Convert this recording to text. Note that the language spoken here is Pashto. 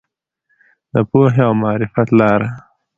د پوهې او معرفت لاره.